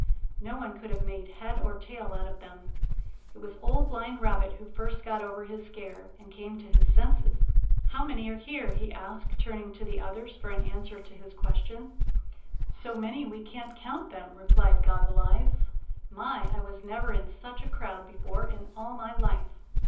No one could have made head or tail out of them. It was Old Blind Rabbit who first got over his scare, and came to his senses. "How many are here?" he asked, turning to the others for an answer to his question. Spotted Tail Receives His Punishment 87 "So many we can't count them," replied Goggle Eyes. " My, I was never in sudi a crowd before in all my life!"